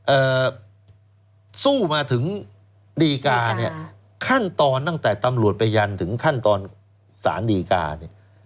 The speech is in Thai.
เอ่อสู้มาถึงดีกาเนี่ยขั้นตอนตั้งแต่ตำรวจไปยันถึงขั้นตอนสารดีกาเนี่ย